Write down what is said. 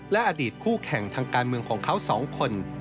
และอดีตคู่แข่งทางการเมืองของเขา๒คน